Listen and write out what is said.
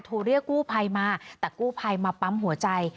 โทรเรียกกู้ภัยมาแต่กู้ภัยมาปั๊มหัวใจ